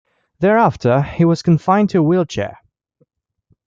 Thereafter, he was confined to a wheelchair.